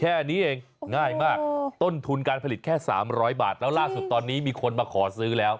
แค่นี้เองง่ายมากต้นทุนการผลิตแค่๓๐๐บาทแล้วล่าสุดตอนนี้มีคนมาขอซื้อแล้ว